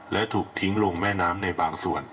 และถูกทิ้งลงแม่น้ำในบางส่วน